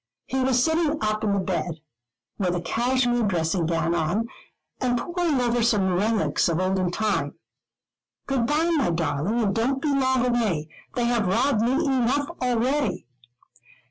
He was sitting up in the bed, with a Cashmere dressing gown on, and poring over some relics of olden time. "Good bye, my darling, and don't be long away. They have robbed me enough already."